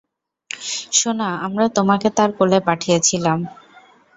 সোনা, আমরা তোমাকে তার কোলে পাঠিয়েছিলাম।